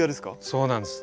そうなんです。